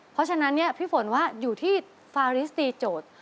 เพราะฉะนั้นเนี่ยพี่ฝนว่าอยู่ที่ฟาริสตีโจทย์